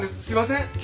すいません！